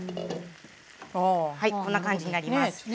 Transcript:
こんな感じになります。